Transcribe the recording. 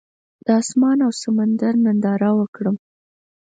د اسمان او سمندر ننداره وکړم.